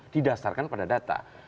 didasarkan pada data